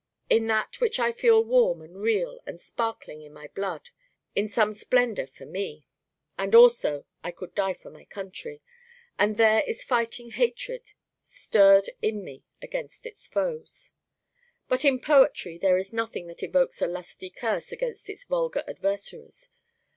In that, which I feel warm and real and sparkling in my blood, in some splendor for me. and also I could die for my country: and there is fighting hatred stirred in me against its foes But in poetry there is nothing that evokes a lusty curse against its vulgar adversaries.